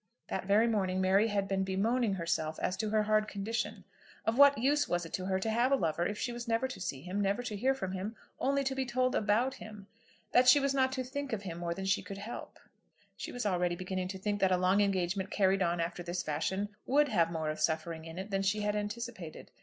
That very morning Mary had been bemoaning herself as to her hard condition. Of what use was it to her to have a lover, if she was never to see him, never to hear from him, only to be told about him, that she was not to think of him more than she could help? She was already beginning to think that a long engagement carried on after this fashion would have more of suffering in it than she had anticipated.